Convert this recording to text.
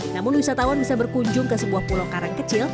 namun wisatawan bisa berkunjung ke sebuah pulau karang kecil